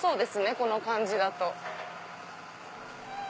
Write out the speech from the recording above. この感じだと。